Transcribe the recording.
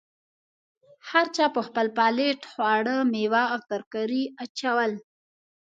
هر چا په خپل پلیټ کې خواړه، میوه او ترکاري اچول.